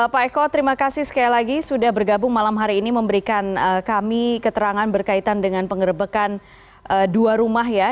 pak eko terima kasih sekali lagi sudah bergabung malam hari ini memberikan kami keterangan berkaitan dengan pengerebekan dua rumah ya